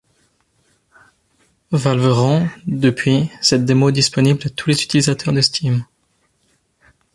Valve rend, depuis, cette démo disponible à tous les utilisateurs de Steam.